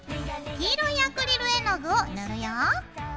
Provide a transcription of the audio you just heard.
黄色いアクリル絵の具を塗るよ。